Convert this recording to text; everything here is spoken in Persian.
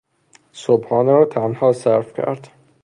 صبحانه را تنها صرف کرد.